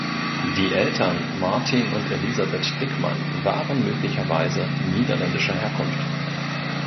Die Eltern Martin und Elisabeth Dickmann waren möglicherweise niederländischer Herkunft.